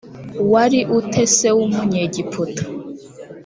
wari u te se w umunyegiputa